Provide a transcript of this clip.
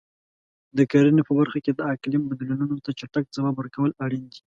د کرنې په برخه کې د اقلیم بدلونونو ته چټک ځواب ورکول اړین دي.